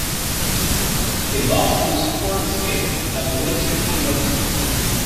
He lost to Stuart Smith at the leadership convention.